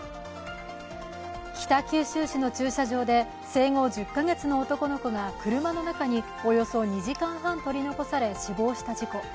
北九州市の駐車場で生後１０か月の男の子が車の中におよそ２時間半取り残され、死亡した事故。